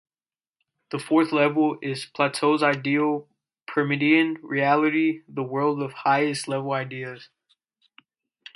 The fourth level is Plato's ideal Parmenidean reality, the world of highest level Ideas.